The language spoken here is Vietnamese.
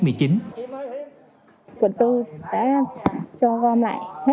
quận bốn đã cho gom lại